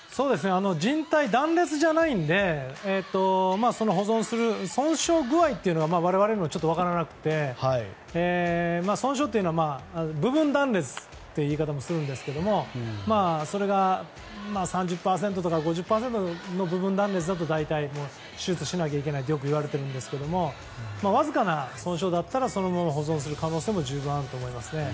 じん帯断裂じゃないので保存する、損傷具合は我々もちょっと分からなくて損傷というのは部分断裂という言い方もしますがそれが３０％とか５０％の部分断裂だと手術しなきゃいけないとよくいわれますがわずかな損傷だったらそのまま保存する可能性も十分あると思います。